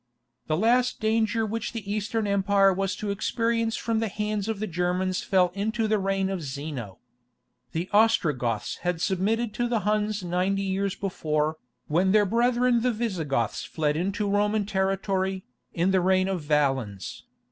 The last danger which the Eastern Empire was to experience from the hands of the Germans fell into the reign of Zeno. The Ostrogoths had submitted to the Huns ninety years before, when their brethren the Visigoths fled into Roman territory, in the reign of Valens.